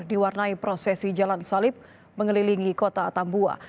diwarnai prosesi jalan salib mengelilingi kota tambua